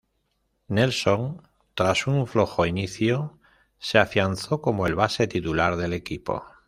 Nelson, tras un flojo inicio, se afianzó como el base titular del equipo.